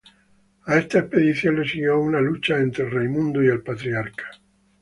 A esta expedición le siguió una lucha entre Raimundo y el Patriarca.